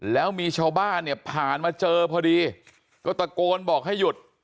แล้วมีชาวบ้านเนี่ยผ่านมาเจอพอดีก็ตะโกนบอกให้หยุด